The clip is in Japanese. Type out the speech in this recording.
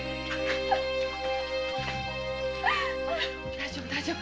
大丈夫大丈夫。